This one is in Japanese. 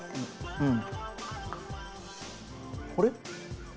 うん。